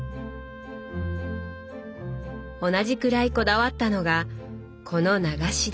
同じくらいこだわったのがこの流し台。